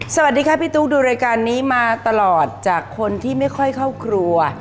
สวัสดีค่ะพี่ตุ๊กดูรายการนี้มาตลอดจากคนที่ไม่ค่อยเข้าครัว